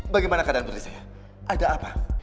bagaimana keadaan berdiri saya ada apa